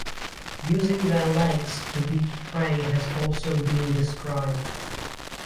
Using their legs to beat prey has also been described.